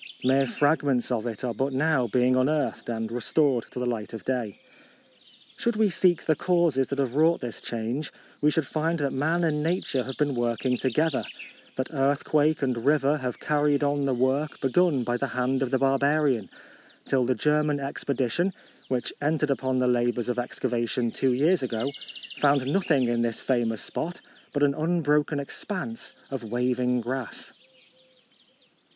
Mere fragments of it are but now being unearthed and re stored to the light of day. Should we seek the causes that have wrought this change, we should find that man and nature have been working together ; that earthquake and river have carried on the work begun by the hand of the barbarian, till the German expedi tion, which entered upon the labours of excavation two years ago, found 554 A Ride across the Peloponnese. [May nothing in this famous spot but an unbroken expanse of waving grass.